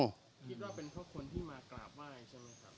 คิดว่าเป็นเขาคนที่มากราบว่าอะไรใช่ไหมครับ